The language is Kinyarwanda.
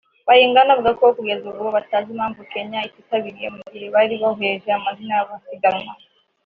Bayingana avuga ko kugeza ubu batazi impamvu Kenya ititabiriye mu gihe bari bohereje amazina y’abazasiganwa